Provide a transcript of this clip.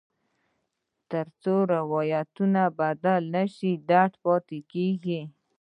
تر څو روایت بدل نه شي، درد پاتې کېږي.